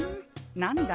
何だ？